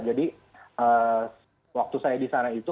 jadi waktu saya di sana itu